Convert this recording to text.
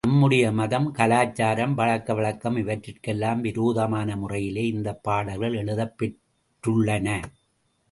நம்முடைய மதம், கலாசாரம், பழக்கவழக்கம் இவற்றிற்கெல்லாம் விரோதமான முறையிலே இந்தப் பாடல்கள் எழுதப்பெற்றுள்ளன.